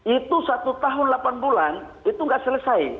itu satu tahun delapan bulan itu nggak selesai